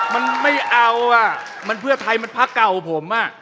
มันไม่เอาอ่ะมันเพื่อไทยมันพักเก่าผมอ่ะ